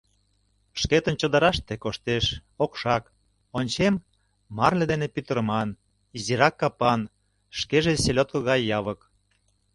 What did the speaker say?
Шкетын чодыраште коштеш, окшак, ончем — марле ден пӱтырыман, изирак капан, шкеже селедко гай явык.